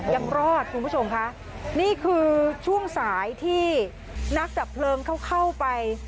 ยังรอดคุณผู้ชมค่ะนี่คือช่วงสายที่นักดับเพลิงเขาเข้าไป